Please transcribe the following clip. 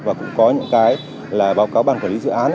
và cũng có những cái là báo cáo ban quản lý dự án